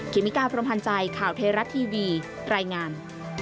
เมกาพรมพันธ์ใจข่าวเทราะทีวีรายงาน